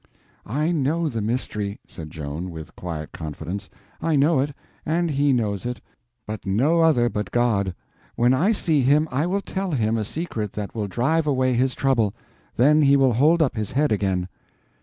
"I know the mystery," said Joan, with quiet confidence; "I know it, and he knows it, but no other but God. When I see him I will tell him a secret that will drive away his trouble, then he will hold up his head again."